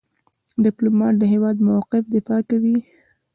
ډيپلومات د هیواد موقف دفاع کوي.